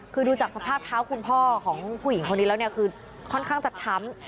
คือดูจากสภาพเท้าคุณพ่อของผู้หญิงคนนี้แล้วเนี่ยคือค่อนข้างจะช้ำ